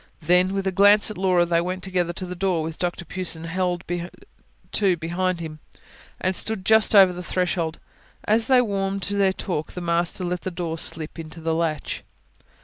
Then, with a glance at Laura, they went together to the door, which Dr Pughson held to behind him, and stood just over the threshold. As they warmed to their talk, the master let the door slip into the latch.